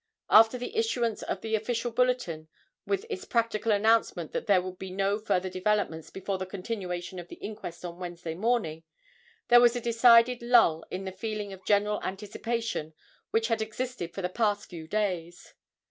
After the issuance of the official bulletin, with its practical announcement that there would be no further developments before the continuation of the inquest on Wednesday morning, there was a decided lull in the feeling of general anticipation which had existed for the past few days.